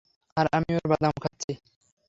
আর আমি ওর বাদাম খাচ্ছি।